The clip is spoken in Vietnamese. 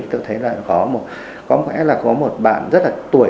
có lẽ là có một bạn rất là tuổi